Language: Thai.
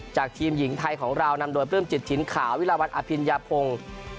ทีมหญิงไทยของเรานำโดยปลื้มจิตถิ่นขาวิลาวันอภิญญาพงศ์